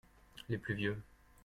Les plus vieux.